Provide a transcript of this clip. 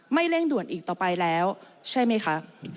เร่งด่วนอีกต่อไปแล้วใช่ไหมคะ